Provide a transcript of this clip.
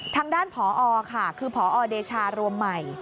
ทางด้านพอคือพอเดชารมไหม